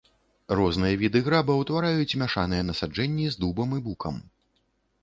Розныя віды граба утвараюць мяшаныя насаджэнні з дубам і букам.